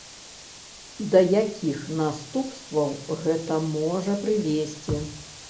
Да якіх наступстваў гэта можа прывесці?